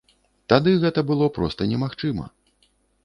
Тады гэта было проста немагчыма.